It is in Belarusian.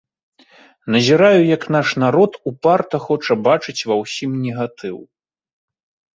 Назіраю, як наш народ упарта хоча бачыць ва ўсім негатыў.